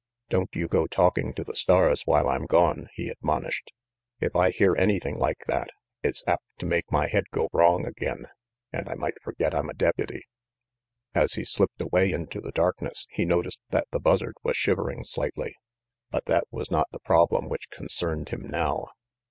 "Don't you go talking to the stars while I'm gone," he admonished. "If I hear anything like that, it's apt to make my head go wrong again, and I might forget I'm a deputy." As he slipped away into the darkness, he noticed that the Buzzard was shivering slightly; but that was not the problem which concerned him now.